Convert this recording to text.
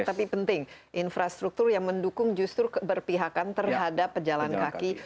tapi penting infrastruktur yang mendukung justru keberpihakan terhadap pejalan kaki